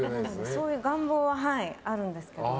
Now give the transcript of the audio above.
そういう願望はあるんですけど。